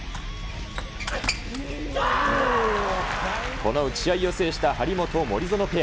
この打ち合いを制した張本・森薗ペア。